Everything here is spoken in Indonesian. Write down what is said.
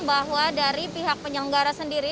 bahwa dari pihak penyelenggara sendiri